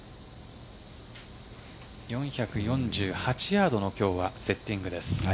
４４８ヤードの今日はセッティングです。